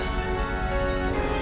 aku akan merayakan dia